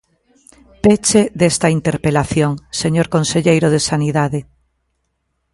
Peche desta interpelación, señor conselleiro de Sanidade.